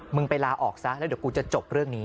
ไปลาออกซะแล้วเดี๋ยวกูจะจบเรื่องนี้